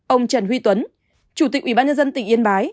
ông trần huy tuấn chủ tịch ubnd tỉnh yên bái